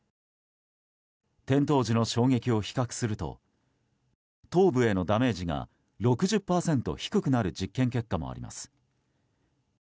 転倒時の衝撃を比較すると頭部へのダメージが６０％低くなる実験結果もあります。